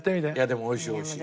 でもおいしいおいしい。